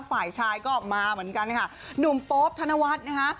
ฝ่ายชายก็มาเหมือนกันค่ะหนุ่มโป๊ปธนวัฒน์นะคะ